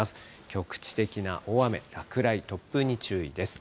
局地的な大雨、落雷、突風に注意です。